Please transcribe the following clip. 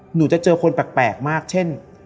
หนูจะเจอคนแปลกมากเช่น